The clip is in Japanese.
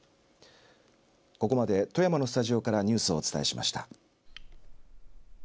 ここまで富山のスタジオからニュースをお伝えしました。